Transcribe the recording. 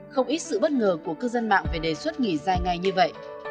không ít sự bất ngờ của cư dân mạng về đề xuất nghỉ dài ngày như vậy